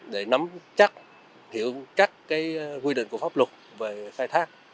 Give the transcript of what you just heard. để nắm chắc hiệu các quy định của pháp luật về khai thác